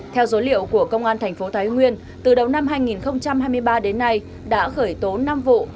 theo dối liệu của công an thành phố thái nguyên từ đầu năm hai nghìn hai mươi ba đến nay đã khởi tố năm vụ